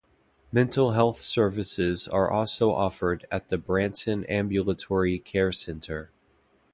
Mental health services are also offered at the Branson Ambulatory Care Centre.